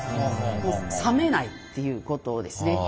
冷めないっていうことですね。